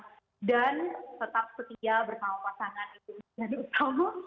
dan tetap setia bersama pasangan itu